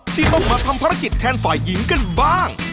ที่ต้องมาทำภารกิจแทนฝ่ายหญิงกันบ้าง